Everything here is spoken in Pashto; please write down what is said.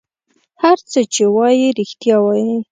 هر څه چې وایي رېښتیا وایي.